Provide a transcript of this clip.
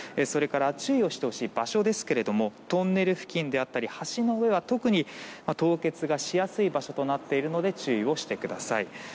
それから注意をしてほしい場所ですがトンネル付近であったり橋などは特に凍結がしやすい場所となっているので注意をしてください。